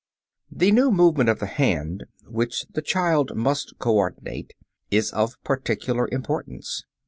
] The new movement of the hand which the child must coordinate is of particular importance.